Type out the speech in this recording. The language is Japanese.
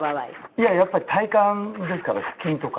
いややっぱり体幹ですから腹筋とか。